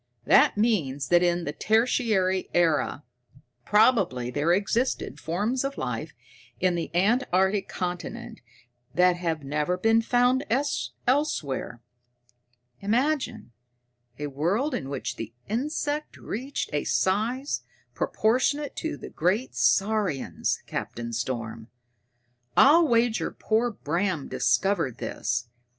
"That means that in the Tertiary Era, probably, there existed forms of life in the antarctic continent that have never been found elsewhere. Imagine a world in which the insect reached a size proportionate to the great saurians, Captain Storm! I'll wager poor Bram discovered this.